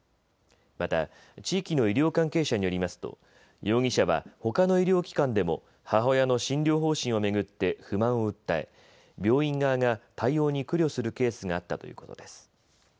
また、地域の医療関係者によりますと容疑者はほかの医療機関でも母親の診療方針を巡って不満を訴え病院側が対応に苦慮するケースがあったということです。